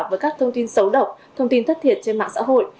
với các thông tin xấu độc thông tin thất thiệt trên mạng xã hội